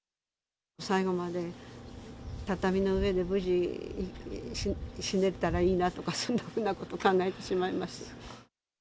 最後まで畳の上で無事死ねたらいいなとか、そんなふうなこと考えてしまいます。